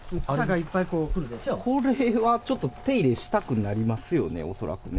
これはちょっと、手入れしたくなりますよね、恐らくね。